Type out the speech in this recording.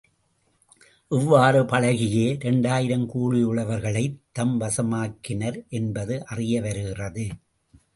இவ்வாறு பழகியே இரண்டாயிரம் கூலி உழவர்களைத் தம் வசமாக்கினர் என்பது அறிய வருகிறது.